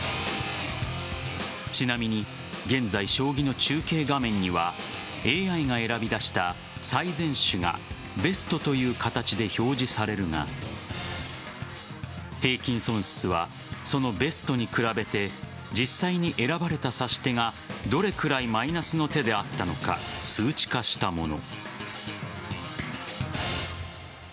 ちなみに現在将棋の中継画面にはＡＩが選び出した最善手がベストという形で表示されるが平均損失は、そのベストに比べて実際に選ばれた指し手がどれくらいマイナスの手であったのか数値化したもの。